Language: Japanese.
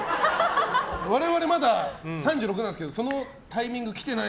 我々、まだ３６なんですけどそのタイミングが来てない。